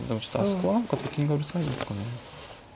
そこは何かと金がうるさいですかね。